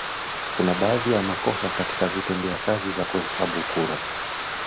kuna baadhi ya makosa katika vitendea kazi za kuhesabu kura